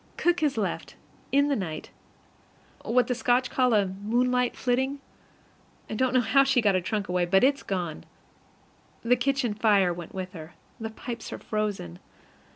Cook has left, in the night, what the Scotch call a "moonlight flitting." I don't know how she got her trunk away, but it's gone. The kitchen fire went with her. The pipes are frozen.